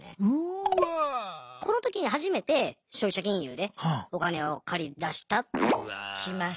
この時に初めて消費者金融でお金を借りだしたっていう。